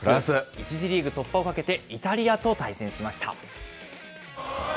１次リーグ突破をかけてイタリアと対戦しました。